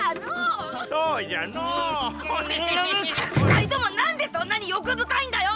２人ともなんでそんなに欲深いんだよ！